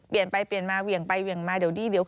เปลี่ยนไปเปลี่ยนมาเหวี่ยงไปเหวี่ยงมาเดี๋ยวดีเดี๋ยว